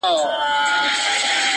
پرون مي دومره اوښكي توى كړې گراني.